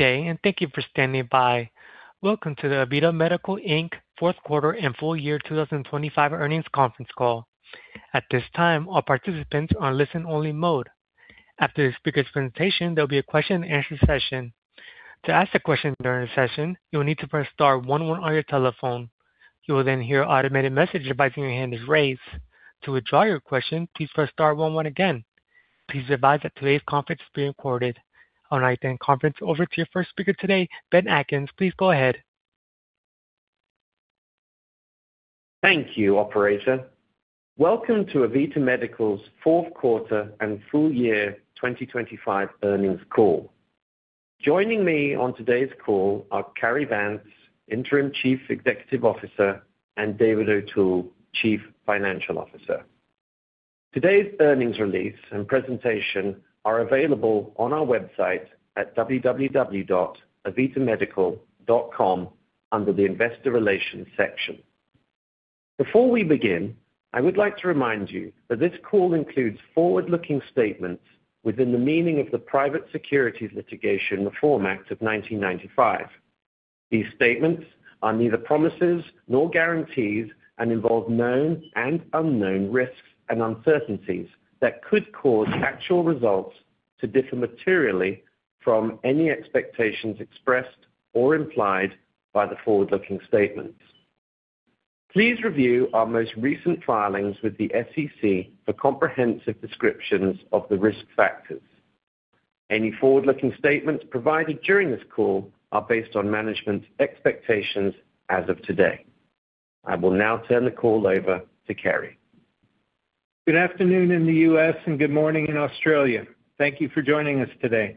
day, and thank you for standing by. Welcome to the AVITA Medical, Inc. fourth quarter and full-year 2025 earnings conference call. At this time, all participants are in listen-only mode. After the speaker's presentation, there'll be a question-and-answer session. To ask a question during the session, you'll need to press star one one on your telephone. You will then hear an automated message advising your hand is raised. To withdraw your question, please press star one one again. Please be advised that today's conference is being recorded. I'll now turn the conference over to your first speaker today, Ben Atkins. Please go ahead. Thank you, operator. Welcome to AVITA Medical's fourth quarter and full-year 2025 earnings call. Joining me on today's call are Cary Vance, Interim Chief Executive Officer, and David O'Toole, Chief Financial Officer. Today's earnings release and presentation are available on our website at www.avitamedical.com under the Investor Relations section. Before we begin, I would like to remind you that this call includes forward-looking statements within the meaning of the Private Securities Litigation Reform Act of 1995. These statements are neither promises nor guarantees and involve known and unknown risks and uncertainties that could cause actual results to differ materially from any expectations expressed or implied by the forward-looking statements. Please review our most recent filings with the SEC for comprehensive descriptions of the risk factors. Any forward-looking statements provided during this call are based on management's expectations as of today. I will now turn the call over to Cary. Good afternoon in the US and good morning in Australia. Thank you for joining us today.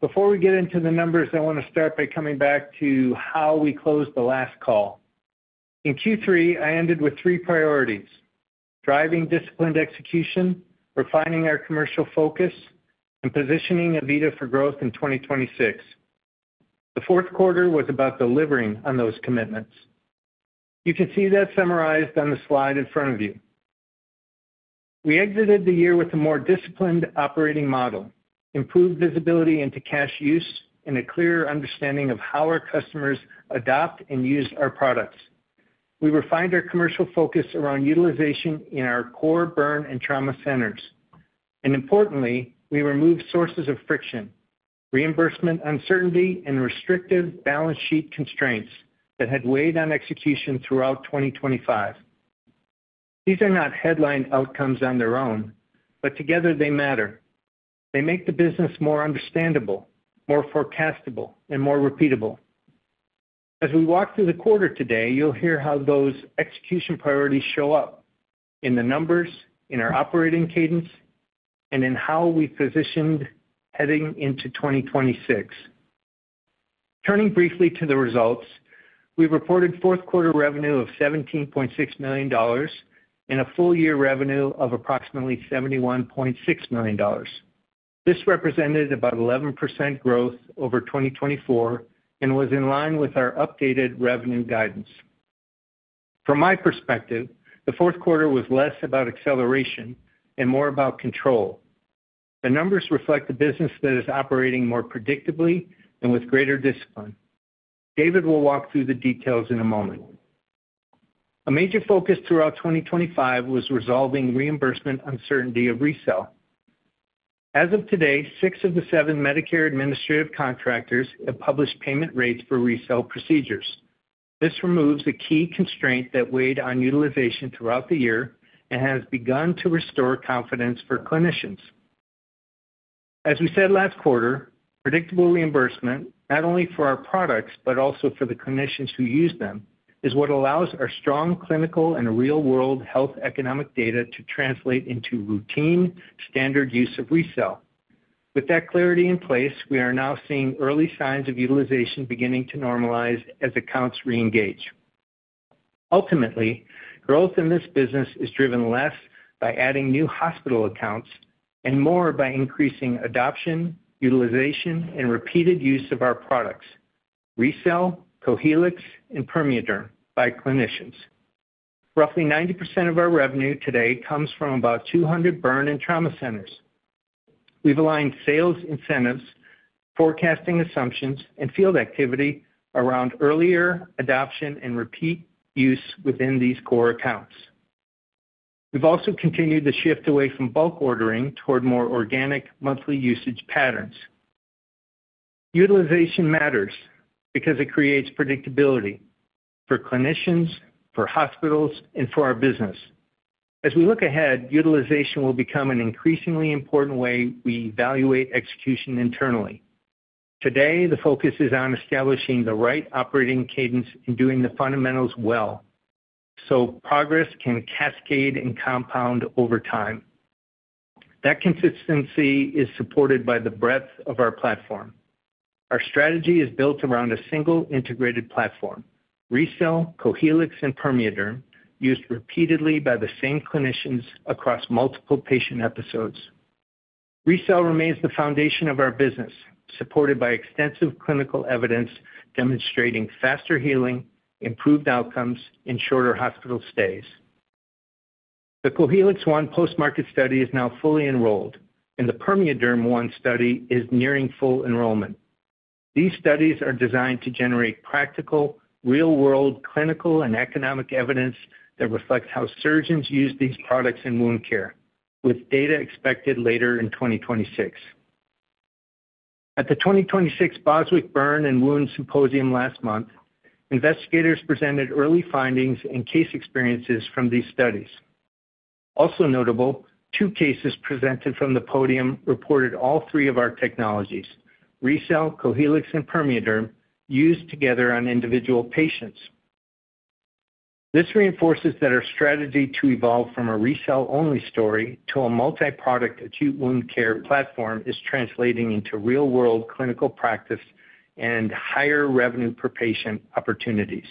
Before we get into the numbers, I want to start by coming back to how we closed the last call. In Q3, I ended with three priorities: driving disciplined execution, refining our commercial focus, and positioning AVITA for growth in 2026. The fourth quarter was about delivering on those commitments. You can see that summarized on the slide in front of you. We exited the year with a more disciplined operating model, improved visibility into cash use, and a clearer understanding of how our customers adopt and use our products. We refined our commercial focus around utilization in our core burn and trauma centers, and importantly, we removed sources of friction, reimbursement uncertainty, and restrictive balance sheet constraints that had weighed on execution throughout 2025. These are not headline outcomes on their own, but together they matter. They make the business more understandable, more forecastable, and more repeatable. As we walk through the quarter today, you'll hear how those execution priorities show up in the numbers, in our operating cadence, and in how we positioned heading into 2026. Turning briefly to the results, we reported fourth quarter revenue of $17.6 million and a full-year revenue of approximately $71.6 million. This represented about 11% growth over 2024 and was in line with our updated revenue guidance. From my perspective, the fourth quarter was less about acceleration and more about control. The numbers reflect a business that is operating more predictably and with greater discipline. David will walk through the details in a moment. A major focus throughout 2025 was resolving reimbursement uncertainty of RECELL. As of today, six of the seven Medicare Administrative Contractors have published payment rates for RECELL procedures. This removes a key constraint that weighed on utilization throughout the year and has begun to restore confidence for clinicians. As we said last quarter, predictable reimbursement, not only for our products, but also for the clinicians who use them, is what allows our strong clinical and real-world health economic data to translate into routine, standard use of RECELL. With that clarity in place, we are now seeing early signs of utilization beginning to normalize as accounts reengage. Ultimately, growth in this business is driven less by adding new hospital accounts and more by increasing adoption, utilization, and repeated use of our products, RECELL, Cohealyx, and PermeaDerm, by clinicians. Roughly 90% of our revenue today comes from about 200 burn and trauma centers. We've aligned sales incentives, forecasting assumptions, and field activity around earlier adoption and repeat use within these core accounts. We've also continued to shift away from bulk ordering toward more organic monthly usage patterns. Utilization matters because it creates predictability for clinicians, for hospitals, and for our business. As we look ahead, utilization will become an increasingly important way we evaluate execution internally. Today, the focus is on establishing the right operating cadence and doing the fundamentals well, so progress can cascade and compound over time. That consistency is supported by the breadth of our platform. Our strategy is built around a single integrated platform, RECELL, Cohealyx, and PermeaDerm, used repeatedly by the same clinicians across multiple patient episodes. RECELL remains the foundation of our business, supported by extensive clinical evidence demonstrating faster healing, improved outcomes, and shorter hospital stays.... The Cohealyx I post-market study is now fully enrolled, and the PermeaDerm I study is nearing full enrollment. These studies are designed to generate practical, real-world clinical and economic evidence that reflects how surgeons use these products in wound care, with data expected later in 2026. At the 2026 Boswick Burn and Wound Symposium last month, investigators presented early findings and case experiences from these studies. Also notable, two cases presented from the podium reported all three of our technologies, RECELL, Cohealyx, and PermeaDerm, used together on individual patients. This reinforces that our strategy to evolve from a RECELL-only story to a multi-product acute wound care platform is translating into real-world clinical practice and higher revenue per patient opportunities.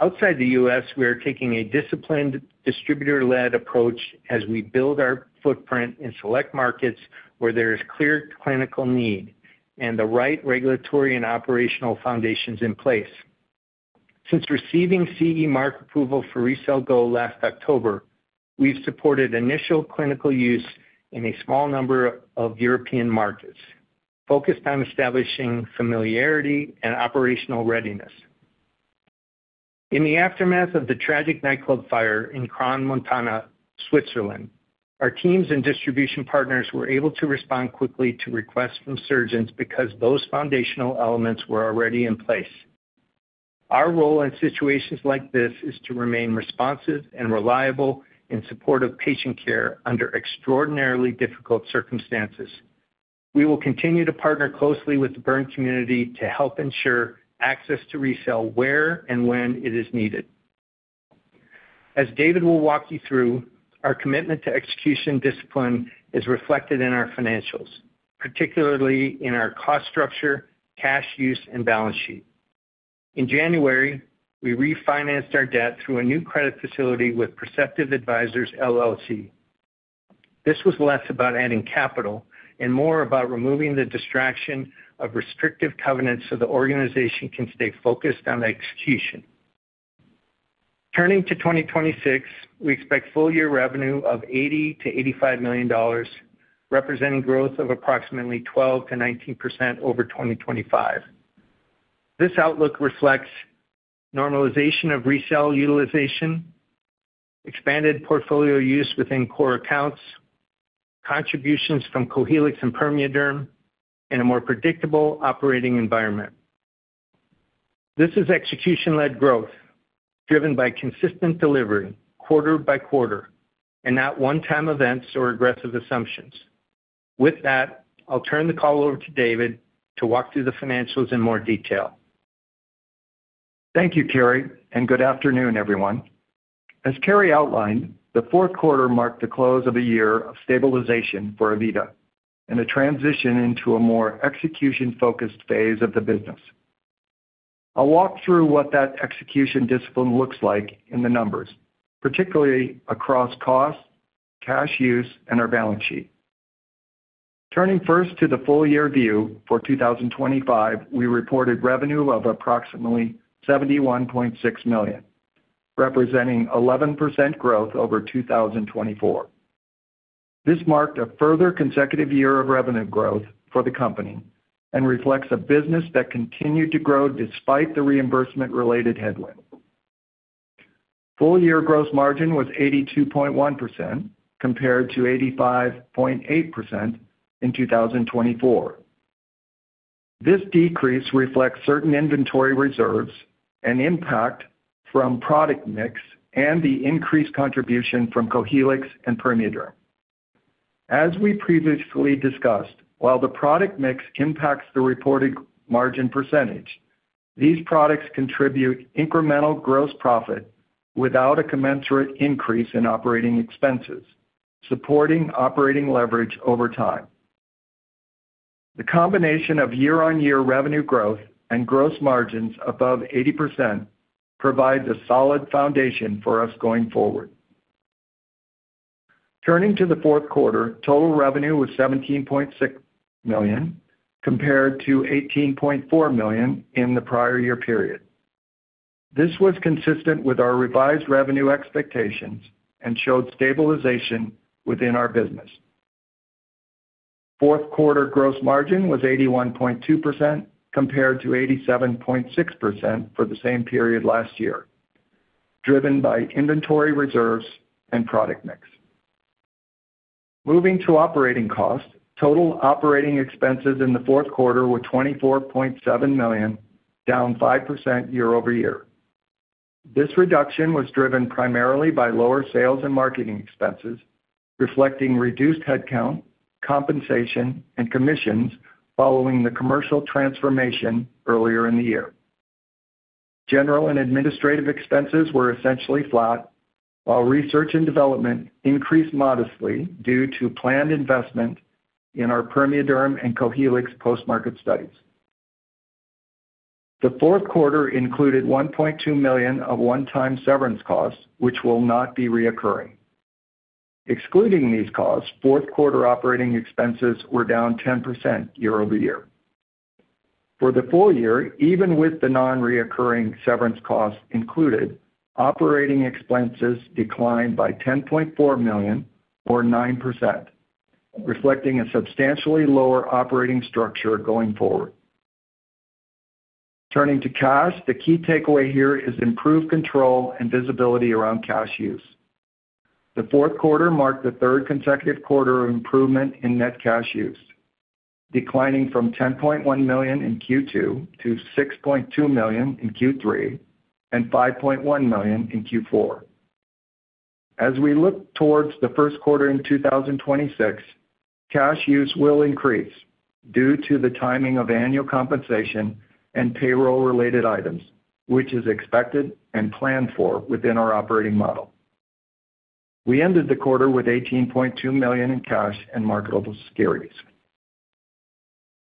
Outside the US, we are taking a disciplined distributor-led approach as we build our footprint in select markets where there is clear clinical need and the right regulatory and operational foundations in place. Since receiving CE Mark approval for RECELL GO last October, we've supported initial clinical use in a small number of European markets, focused on establishing familiarity and operational readiness. In the aftermath of the tragic nightclub fire in Crans-Montana, Switzerland, our teams and distribution partners were able to respond quickly to requests from surgeons because those foundational elements were already in place. Our role in situations like this is to remain responsive and reliable in support of patient care under extraordinarily difficult circumstances. We will continue to partner closely with the burn community to help ensure access to RECELL where and when it is needed. As David will walk you through, our commitment to execution discipline is reflected in our financials, particularly in our cost structure, cash use, and balance sheet. In January, we refinanced our debt through a new credit facility with Perceptive Advisors LLC. This was less about adding capital and more about removing the distraction of restrictive covenants so the organization can stay focused on execution. Turning to 2026, we expect full-year revenue of $80 million-$85 million, representing growth of approximately 12%-19% over 2025. This outlook reflects normalization of RECELL utilization, expanded portfolio use within core accounts, contributions from Cohealyx and PermeaDerm, and a more predictable operating environment. This is execution-led growth, driven by consistent delivery quarter-by-quarter, and not one-time events or aggressive assumptions. With that, I'll turn the call over to David to walk through the financials in more detail. Thank you, Cary, and good afternoon, everyone. As Cary outlined, the fourth quarter marked the close of a year of stabilization for AVITA and a transition into a more execution-focused phase of the business. I'll walk through what that execution discipline looks like in the numbers, particularly across costs, cash use, and our balance sheet. Turning first to the full-year view for 2025, we reported revenue of approximately $71.6 million, representing 11% growth over 2024. This marked a further consecutive year of revenue growth for the company and reflects a business that continued to grow despite the reimbursement-related headwind. full-year gross margin was 82.1%, compared to 85.8% in 2024. This decrease reflects certain inventory reserves and impact from product mix and the increased contribution from Cohealyx and PermeaDerm. As we previously discussed, while the product mix impacts the reported margin percentage, these products contribute incremental gross profit without a commensurate increase in operating expenses, supporting operating leverage over time. The combination of year-over-year revenue growth and gross margins above 80% provides a solid foundation for us going forward. Turning to the fourth quarter, total revenue was $17.6 million, compared to $18.4 million in the prior-year period. This was consistent with our revised revenue expectations and showed stabilization within our business. Fourth quarter gross margin was 81.2%, compared to 87.6% for the same period last year, driven by inventory reserves and product mix. Moving to operating costs, total operating expenses in the fourth quarter were $24.7 million, down 5% year-over-year. This reduction was driven primarily by lower sales and marketing expenses, reflecting reduced headcount, compensation, and commissions following the commercial transformation earlier in the year. General and administrative expenses were essentially flat, while research and development increased modestly due to planned investment in our PermeaDerm and Cohealyx post-market studies. The fourth quarter included $1.2 million of one-time severance costs, which will not be recurring. Excluding these costs, fourth quarter operating expenses were down 10% year-over-year. For the full-year, even with the non-recurring severance costs included, operating expenses declined by $10.4 million or 9%, reflecting a substantially lower operating structure going forward. Turning to cash, the key takeaway here is improved control and visibility around cash use. The fourth quarter marked the third consecutive quarter of improvement in net cash use, declining from $10.1 million in Q2 to $6.2 million in Q3 and $5.1 million in Q4. As we look towards the first quarter in 2026, cash use will increase due to the timing of annual compensation and payroll-related items, which is expected and planned for within our operating model. We ended the quarter with $18.2 million in cash and marketable securities.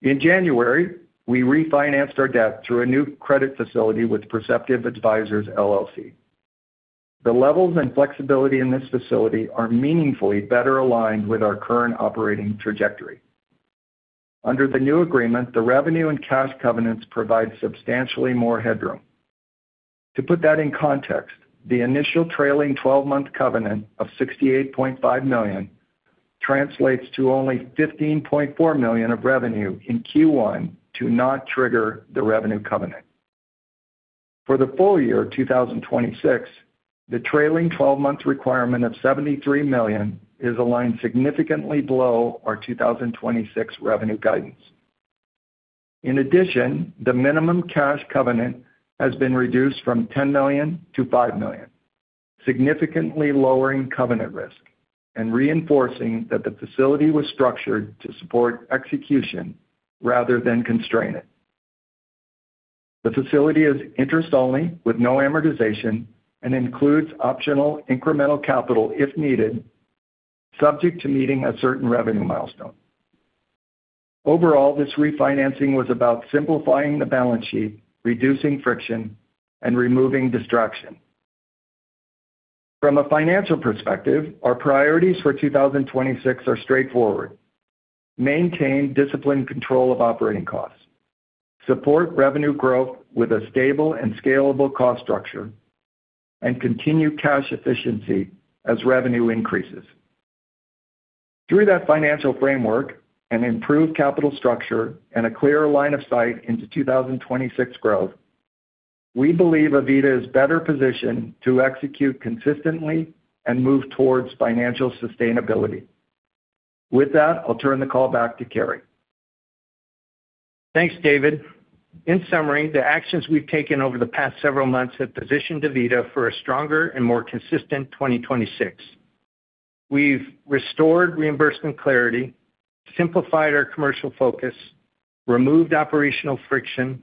In January, we refinanced our debt through a new credit facility with Perceptive Advisors LLC. The levels and flexibility in this facility are meaningfully better aligned with our current operating trajectory. Under the new agreement, the revenue and cash covenants provide substantially more headroom. To put that in context, the initial trailing twelve-month covenant of $68.5 million translates to only $15.4 million of revenue in Q1 to not trigger the revenue covenant. For the full-year 2026, the trailing twelve-month requirement of $73 million is aligned significantly below our 2026 revenue guidance. In addition, the minimum cash covenant has been reduced from $10 million-$5 million, significantly lowering covenant risk and reinforcing that the facility was structured to support execution rather than constrain it. The facility is interest only, with no amortization, and includes optional incremental capital if needed, subject to meeting a certain revenue milestone. Overall, this refinancing was about simplifying the balance sheet, reducing friction, and removing distraction. From a financial perspective, our priorities for 2026 are straightforward: maintain disciplined control of operating costs, support revenue growth with a stable and scalable cost structure, and continue cash efficiency as revenue increases. Through that financial framework and improved capital structure and a clear line of sight into 2026 growth, we believe AVITA is better positioned to execute consistently and move towards financial sustainability. With that, I'll turn the call back to Cary. Thanks, David. In summary, the actions we've taken over the past several months have positioned AVITA for a stronger and more consistent 2026. We've restored reimbursement clarity, simplified our commercial focus, removed operational friction,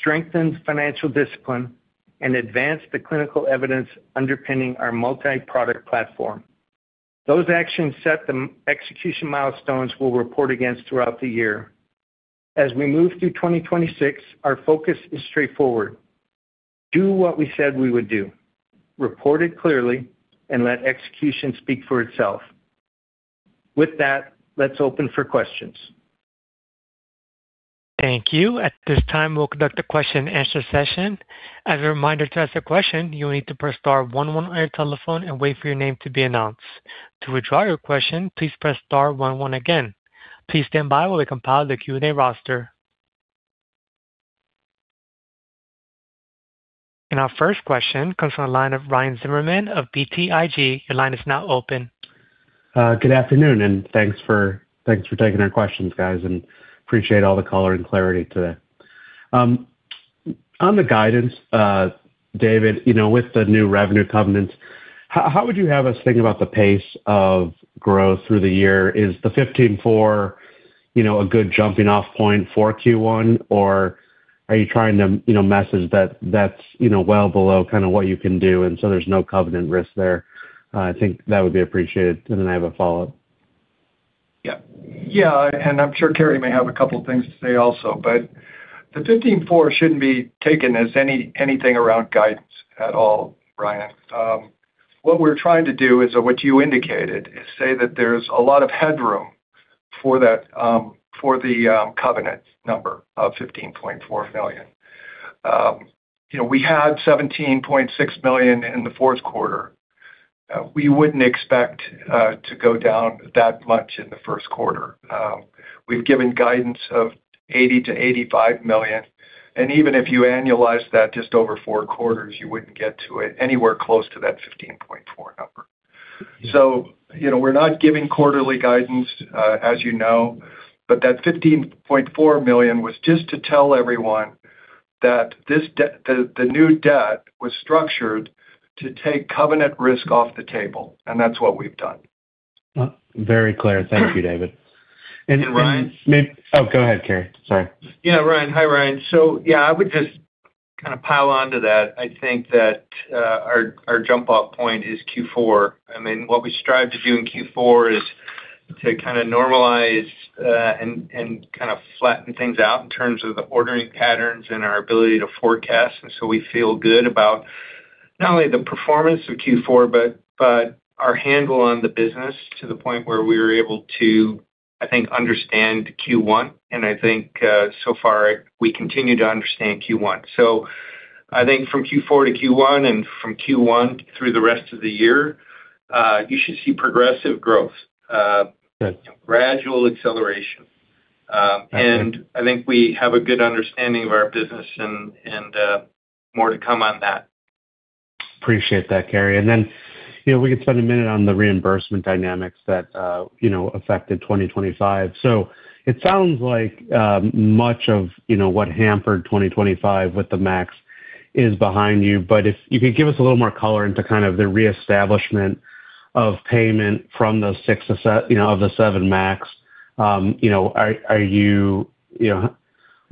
strengthened financial discipline, and advanced the clinical evidence underpinning our multi-product platform. Those actions set the execution milestones we'll report against throughout the year. As we move through 2026, our focus is straightforward: Do what we said we would do, report it clearly, and let execution speak for itself. With that, let's open for questions. Thank you. At this time, we'll conduct a question-and-answer session. As a reminder, to ask a question, you will need to press star one one on your telephone and wait for your name to be announced. To withdraw your question, please press star one one again. Please stand by while we compile the Q&A roster. Our first question comes from the line of Ryan Zimmerman of BTIG. Your line is now open. Good afternoon, and thanks for, thanks for taking our questions, guys, and appreciate all the color and clarity today. On the guidance, David, you know, with the new revenue covenants, how, how would you have us think about the pace of growth through the year? Is the $15.4, you know, a good jumping-off point for Q1, or are you trying to, you know, message that that's, you know, well below kind of what you can do, and so there's no covenant risk there? I think that would be appreciated. And then I have a follow-up. Yeah. Yeah, and I'm sure Cary may have a couple of things to say also, but the 15.4 shouldn't be taken as anything around guidance at all, Ryan. What we're trying to do is what you indicated, is say that there's a lot of headroom for that, for the covenant number of $15.4 million. You know, we had $17.6 million in the fourth quarter. We wouldn't expect to go down that much in the first quarter. We've given guidance of $80 million-$85 million, and even if you annualize that just over four quarters, you wouldn't get to it, anywhere close to that 15.4 number. So, you know, we're not giving quarterly guidance, as you know, but that $15.4 million was just to tell everyone that this the new debt was structured to take covenant risk off the table, and that's what we've done. Very clear. Thank you, David. And Ryan- Oh, go ahead, Cary. Sorry. Yeah, Ryan. Hi, Ryan. So yeah, I would just kind of pile onto that. I think that, our jump-off point is Q4. I mean, what we strive to do in Q4 is to kind of normalize, and kind of flatten things out in terms of the ordering patterns and our ability to forecast. And so we feel good about-... not only the performance of Q4, but our handle on the business to the point where we were able to, I think, understand Q1, and I think so far we continue to understand Q1. So I think from Q4-Q1 and from Q1 through the rest of the year, you should see progressive growth. Good. Gradual acceleration. I think we have a good understanding of our business and more to come on that. Appreciate that, Cary. Then, you know, we could spend a minute on the reimbursement dynamics that, you know, affected 2025. So it sounds like, much of, you know, what hampered 2025 with the MAC is behind you, but if you could give us a little more color into kind of the reestablishment of payment from the six of the seven MACs. You know, are you, you know,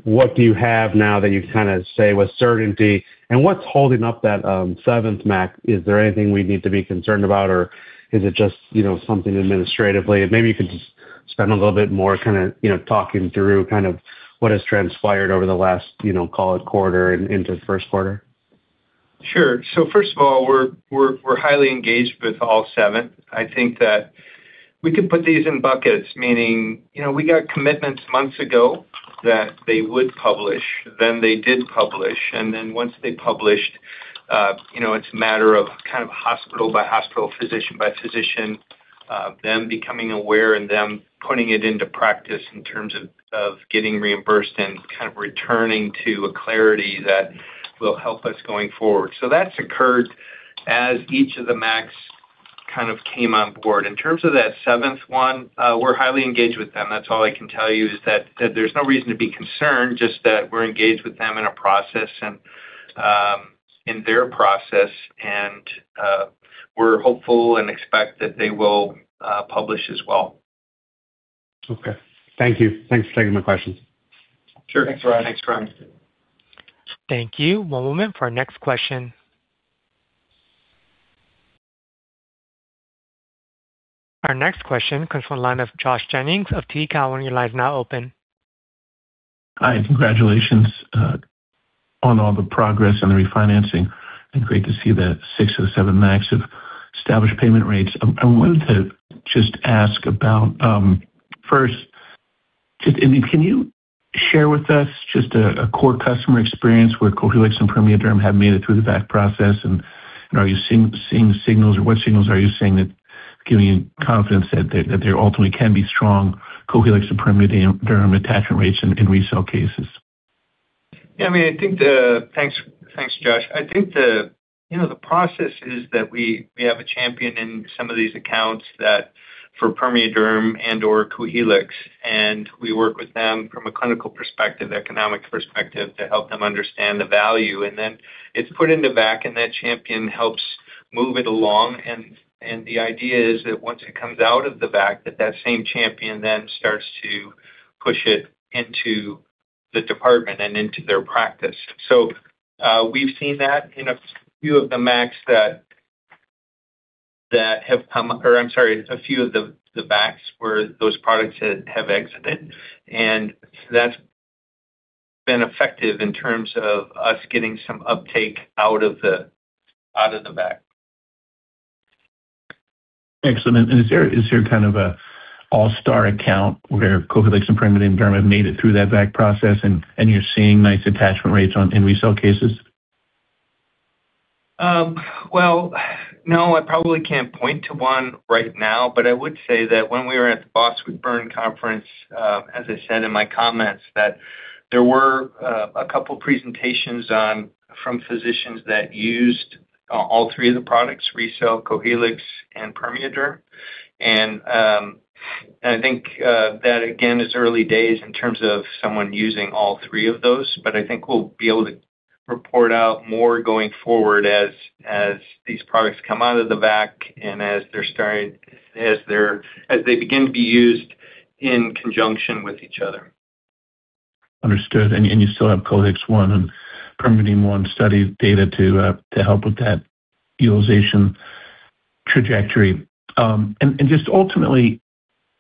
what do you have now that you kind of say with certainty, and what's holding up that seventh MAC? Is there anything we need to be concerned about, or is it just, you know, something administratively? Maybe you could just spend a little bit more kinda, you know, talking through kind of what has transpired over the last, you know, call it quarter and into the first quarter. Sure. So first of all, we're highly engaged with all seven. I think that we could put these in buckets, meaning, you know, we got commitments months ago that they would publish, then they did publish, and then once they published, you know, it's a matter of kind of hospital by hospital, physician by physician, them becoming aware and them putting it into practice in terms of getting reimbursed and kind of returning to a clarity that will help us going forward. So that's occurred as each of the MAC kind of came on board. In terms of that seventh one, we're highly engaged with them. That's all I can tell you, is that there's no reason to be concerned, just that we're engaged with them in a process and in their process, and we're hopeful and expect that they will publish as well. Okay. Thank you. Thanks for taking my questions. Sure. Thanks, Ryan. Thanks, Ryan. Thank you. One moment for our next question. Our next question comes from the line of Josh Jennings of TD Cowen. Your line is now open. Hi, congratulations on all the progress and the refinancing, and great to see that six of the seven MACs have established payment rates. I wanted to just ask about, first, just can you share with us a core customer experience where Cohealyx and PermeaDerm have made it through the VAC process, and are you seeing signals, or what signals are you seeing that giving you confidence that there ultimately can be strong Cohealyx and PermeaDerm attachment rates in RECELL cases? Yeah, I mean, I think the... Thanks, thanks, Josh. I think the, you know, the process is that we, we have a champion in some of these accounts that for PermeaDerm and/or Cohealyx, and we work with them from a clinical perspective, economic perspective, to help them understand the value. And then it's put into VAC, and that champion helps move it along, and the idea is that once it comes out of the VAC, that same champion then starts to push it into the department and into their practice. So, we've seen that in a few of the MACs that have come or I'm sorry, a few of the VACs where those products have exited, and that's been effective in terms of us getting some uptake out of the VAC. Excellent. Is there kind of an all-star account where Cohealyx and PermeaDerm have made it through that VAC process and you're seeing nice attachment rates in RECELL cases? Well, no, I probably can't point to one right now, but I would say that when we were at the Boswick Burn Conference, as I said in my comments, that there were a couple presentations on... from physicians that used all three of the products, RECELL, Cohealyx and PermeaDerm. And I think that again is early days in terms of someone using all three of those, but I think we'll be able to report out more going forward as these products come out of the VAC and as they begin to be used in conjunction with each other. Understood. And you still have Cohealyx I and PermeaDerm I study data to help with that utilization trajectory. And just ultimately,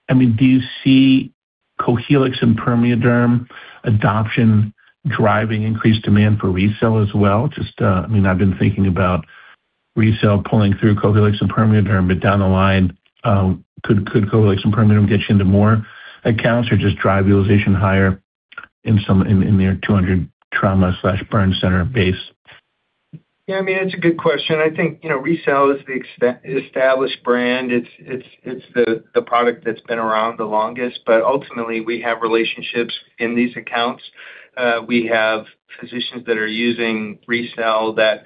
I mean, do you see Cohealyx and PermeaDerm adoption driving increased demand for RECELL as well? Just, I mean, I've been thinking about RECELL pulling through Cohealyx and PermeaDerm, but down the line, could Cohealyx and PermeaDerm get you into more accounts or just drive utilization higher in some in their 200 trauma/burn center base? Yeah, I mean, it's a good question. I think, you know, RECELL is the established brand. It's the product that's been around the longest, but ultimately we have relationships in these accounts. We have physicians that are using RECELL that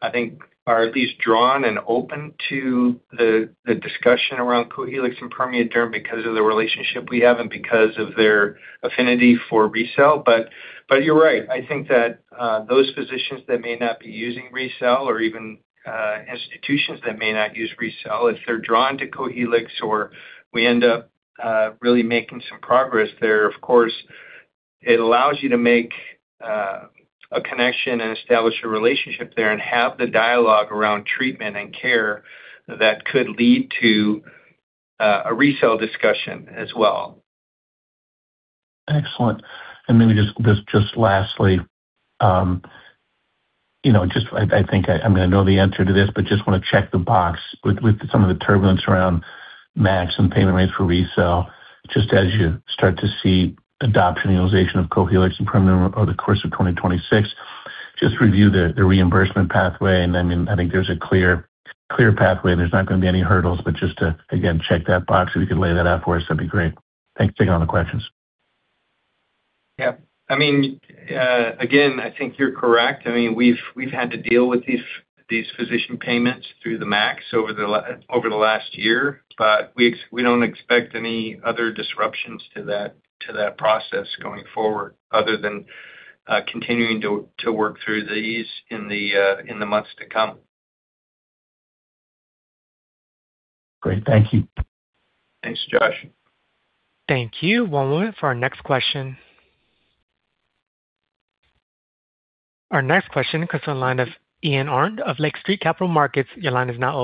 I think are at least drawn and open to the discussion around Cohealyx and PermeaDerm because of the relationship we have and because of their affinity for RECELL. But you're right, I think that those physicians that may not be using RECELL or even institutions that may not use RECELL, if they're drawn to Cohealyx or we end up really making some progress there, of course, it allows you to make a connection and establish a relationship there and have the dialogue around treatment and care that could lead to a RECELL discussion as well.... Excellent. And maybe just lastly, you know, just I think I'm gonna know the answer to this, but just wanna check the box. With some of the turbulence around MACs and payment rates for RECELL, just as you start to see adoption, utilization of Cohealyx and PermeaDerm over the course of 2026, just review the reimbursement pathway. And, I mean, I think there's a clear pathway, and there's not gonna be any hurdles, but just to, again, check that box, if you could lay that out for us, that'd be great. Thanks for taking all the questions. Yeah. I mean, again, I think you're correct. I mean, we've had to deal with these physician payments through the MACs over the last year, but we don't expect any other disruptions to that process going forward, other than continuing to work through these in the months to come. Great. Thank you. Thanks, Josh. Thank you. One moment for our next question. Our next question comes to the line of Ian Arndt of Lake Street Capital Markets. Your line is now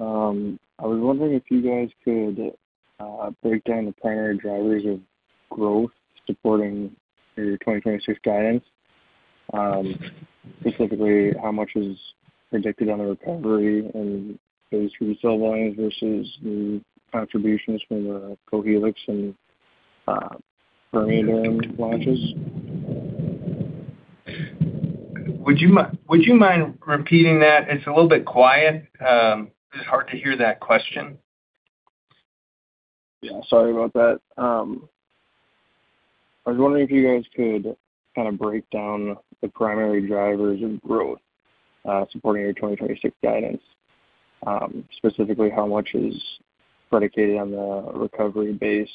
open. Hey, guys. Thanks for taking the question here. I was wondering if you guys could break down the primary drivers of growth supporting your 2026 guidance. Specifically, how much is predicted on the recovery and those RECELL lines versus the contributions from the Cohealyx and PermeaDerm launches? Would you mind repeating that? It's a little bit quiet. It's hard to hear that question. Yeah, sorry about that. I was wondering if you guys could kinda break down the primary drivers of growth supporting your 2026 guidance. Specifically, how much is predicated on the recovery base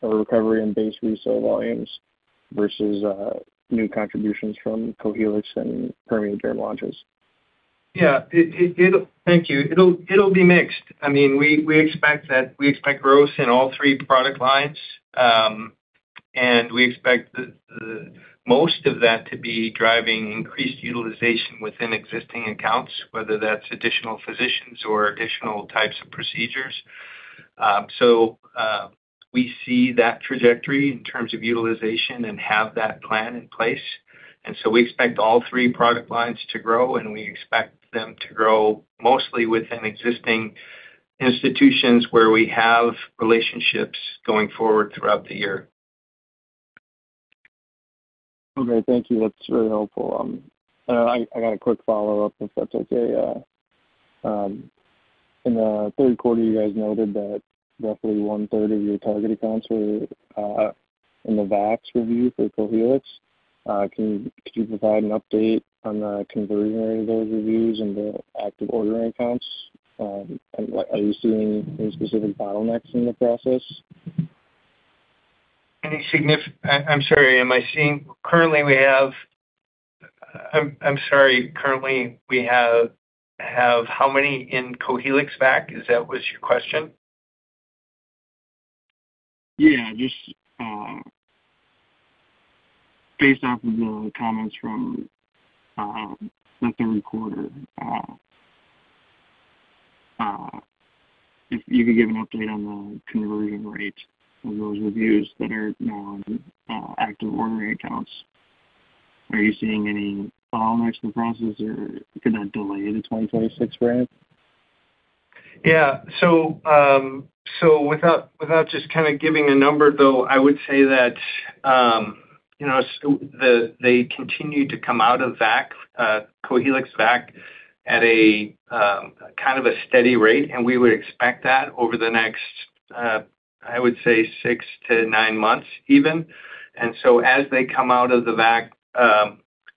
or recovery and base RECELL volumes versus new contributions from Cohealyx and PermeaDerm launches? Yeah, it'll be mixed. Thank you. It'll be mixed. I mean, we expect that—we expect growth in all three product lines. And we expect the most of that to be driving increased utilization within existing accounts, whether that's additional physicians or additional types of procedures. We see that trajectory in terms of utilization and have that plan in place, and so we expect all three product lines to grow, and we expect them to grow mostly within existing institutions where we have relationships going forward throughout the year. Okay, thank you. That's very helpful. I got a quick follow-up, if that's okay. In the third quarter, you guys noted that roughly one-third of your target accounts were in the VAC review for Cohealyx. Can you provide an update on the conversion rate of those reviews and the active ordering accounts? Are you seeing any specific bottlenecks in the process? I'm sorry, am I seeing... Currently, we have how many in Cohealyx VAC? Is that what your question was? Yeah, just, based off of the comments from the third quarter, if you could give an update on the conversion rate of those reviews that are now active ordering accounts, are you seeing any bottlenecks in the process or could that delay the 2026 ramp? Yeah. So, without just kinda giving a number, though, I would say that, you know, they continue to come out of VAC, Cohealyx VAC at a kind of a steady rate, and we would expect that over the next, I would say, six to nine months even. And so as they come out of the VAC,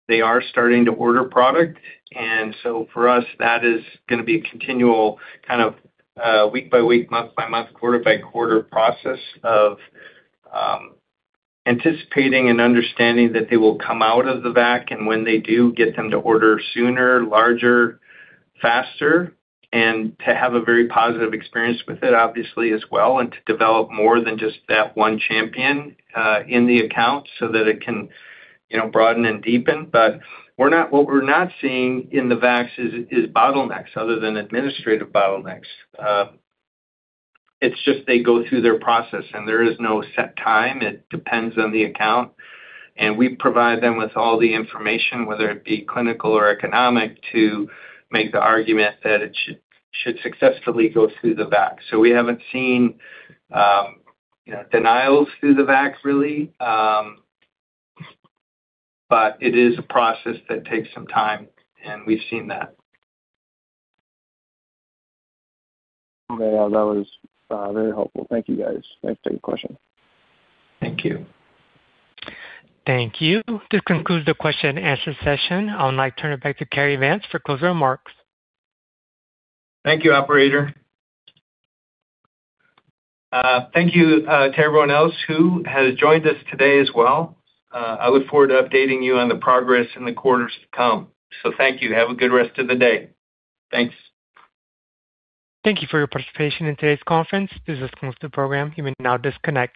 they are starting to order product. For us, that is gonna be a continual kind of week-by-week, month-by-month, quarter-by-quarter process of anticipating and understanding that they will come out of the VAC, and when they do, get them to order sooner, larger, faster, and to have a very positive experience with it, obviously, as well, and to develop more than just that one champion in the account so that it can, you know, broaden and deepen. But what we're not seeing in the VAC is bottlenecks other than administrative bottlenecks. It's just they go through their process, and there is no set time. It depends on the account, and we provide them with all the information, whether it be clinical or economic, to make the argument that it should successfully go through the VAC. So we haven't seen, you know, denials through the VAC, really, but it is a process that takes some time, and we've seen that. Okay. That was very helpful. Thank you, guys. Thanks for the question. Thank you. Thank you. This concludes the question and answer session. I would like to turn it back to Cary Vance for closing remarks. Thank you, operator. Thank you to everyone else who has joined us today as well. I look forward to updating you on the progress in the quarters to come. So thank you. Have a good rest of the day. Thanks. Thank you for your participation in today's conference. This concludes the program. You may now disconnect.